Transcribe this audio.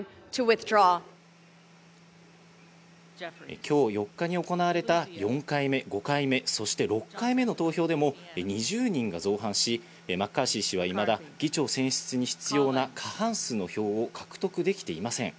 今日４日に行われた４回目、５回目、そして６回目の投票でも２０人が造反し、マッカーシー氏はいまだ議長選出に必要な過半数の票を獲得できていません。